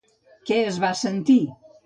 Què es va sentir?